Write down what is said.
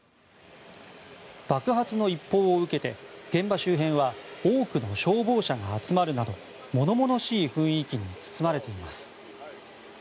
爆発の一報を受けて現場周辺は多くの消防車が集まるなど物々しい雰囲気に包まれています。